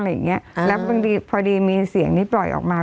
บ้างอะไรอย่างเงี้ยแล้วพอดีมีเสียงนี้ปล่อยออกมา